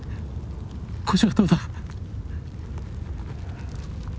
腰はどうだ？